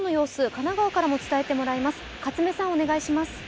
神奈川からも伝えてもらいます。